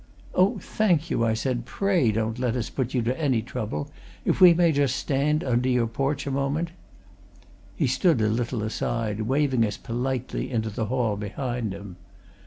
"Oh, thank you," I said, "pray don't let us put you to any trouble. If we may just stand under your porch a moment " He stood a little aside, waving us politely into the hall behind him.